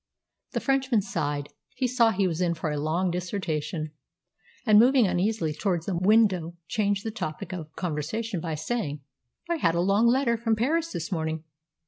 The Frenchman sighed. He saw he was in for a long dissertation; and, moving uneasily towards the window, changed the topic of conversation by saying, "I had a long letter from Paris this morning.